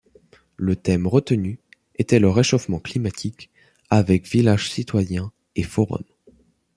Le thème retenu était le réchauffement climatique avec village citoyen et forum.